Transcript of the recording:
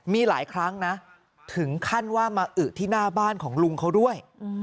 มีหลายครั้งนะถึงขั้นว่ามาอึที่หน้าบ้านของลุงเขาด้วย